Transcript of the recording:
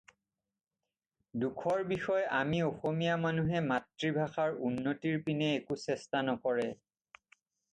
দুখৰ বিষয় আমি অসমীয়া মানুহে মাতৃ-ভাষাৰ উন্নতিৰ পিনে একো চেষ্টা নকৰে